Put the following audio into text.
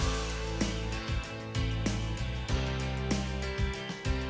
terima kasih dimas